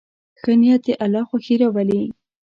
ښه نیت د الله خوښي راولي.